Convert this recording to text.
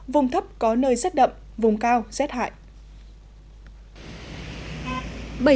vùng thấp có nơi rét đậm vùng cao rét hại